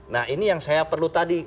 nah ini yang saya perlu tadi